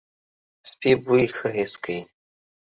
سپي بوی ښه حس کوي.